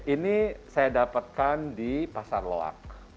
ini saya dapatkan di pasar lelak